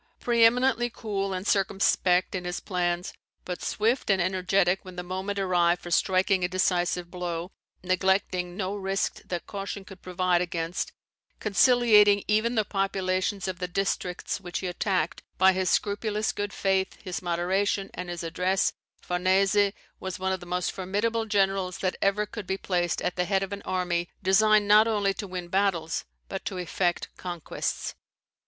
Pre eminently cool and circumspect in his plans, but swift and energetic when the moment arrived for striking a decisive blow, neglecting no risk that caution could provide against, conciliating even the populations of the districts which he attacked by his scrupulous good faith, his moderation, and his address, Farnese was one of the most formidable generals that ever could be placed at the head of an army designed not only to win battles, but to effect conquests.